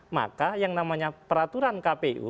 maka yang namanya peraturan kpu